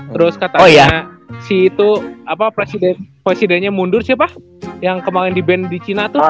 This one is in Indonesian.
terus katanya si itu presidennya mundur siapa yang kemaren di band di china tuh